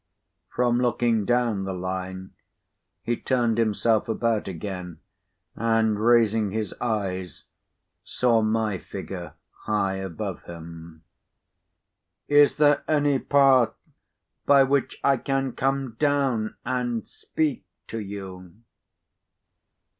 p. 90From looking down the Line, he turned himself about again, and, raising his eyes, saw my figure high above him. "Is there any path by which I can come down and speak to you?"